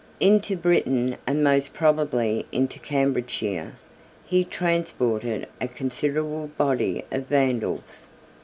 Into Britain, and most probably into Cambridgeshire, 46 he transported a considerable body of Vandals.